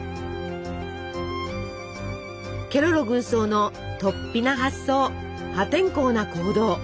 ケロロ軍曹のとっぴな発想破天荒な行動